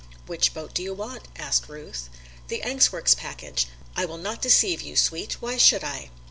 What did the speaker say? "Which boat do you want?" asked Ruth. "The Anxworks package I will not deceive you, Sweet; why should I?"